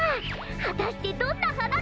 はたしてどんなはななのか！？